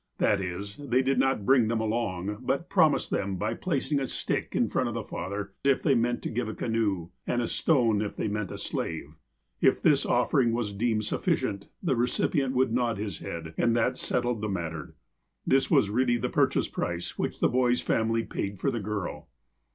That is, they did not bring them along, but promised them by placing a stick in front of the father if they meant to give a canoe, and a stone, if they meant a slave. If this offering was deemed sufhcieut, the recipient would nod his head, and that settled the mat ter. This was really the purchase price which the boy's family x^aid for the girl.